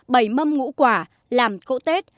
bày mâm ngũ quả làm cỗ tết